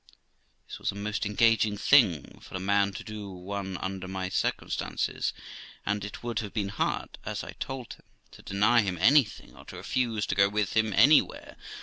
This was a most engaging thing for a man to do to one under my circumstances; and it would have been hard, as I told him, to deny him/ anything, or to refuse to go with him anywhere.